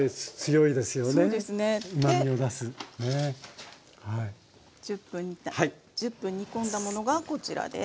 で１０分煮た１０分煮込んだものがこちらです。